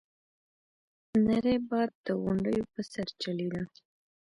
نری باد د غونډيو په سر چلېده.